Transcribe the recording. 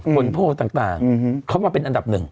ผลโพลต่างเข้ามาเป็นอันดับหนึ่ง